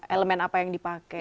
elemen apa yang dipakai